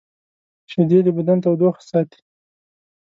شیدې د بدن تودوخه ساتي